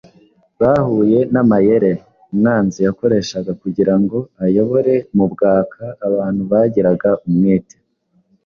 bahuye n’amayere umwanzi yakoreshaga kugira ngo ayobore mu bwaka abantu bagiraga umwete